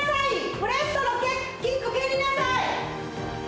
ブレストのキック、蹴りなさい！